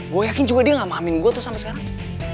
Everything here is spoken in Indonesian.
gue yakin juga dia gak mahamin gue tuh sampai sekarang